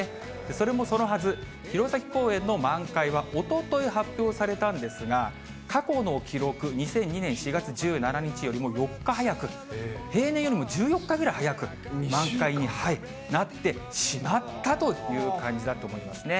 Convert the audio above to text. それもそのはず、弘前公園の満開はおととい発表されたんですが、過去の記録、２００２年４月１７日よりももう４日早く、平年よりも１４日ぐらい早く、満開になってしまったという感じだと思いますね。